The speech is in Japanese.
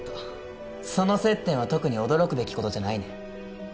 その接点は特に驚くべき事じゃないね。